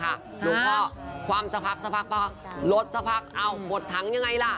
หลวงพ่อคว่ำสักพักสักพักป่ะลดสักพักเอ้าหมดถังยังไงล่ะ